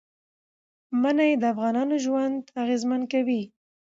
منی د افغانانو ژوند اغېزمن کوي.